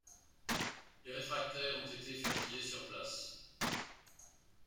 Les réfractaires ont été fusillés sur place.